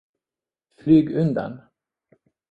Flyg undan!